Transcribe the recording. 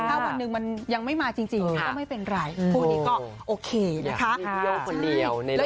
ถ้าวันหนึ่งมันยังไม่มาจริงก็ไม่เป็นไรคู่นี้ก็โอเคนะคะ